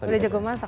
udah jago masak